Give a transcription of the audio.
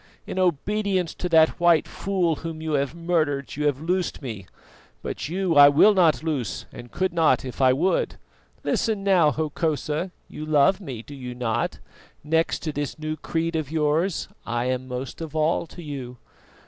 In obedience to that white fool whom you have murdered, you have loosed me; but you I will not loose and could not if I would. Listen now, Hokosa: you love me, do you not? next to this new creed of yours, I am most of all to you.